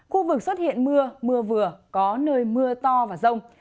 khu vực xuất hiện mưa mưa vừa có nơi mưa to và rông